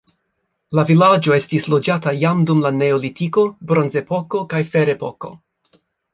La vilaĝo estis loĝata jam dum la neolitiko, bronzepoko kaj ferepoko.